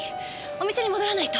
お店に戻らないと。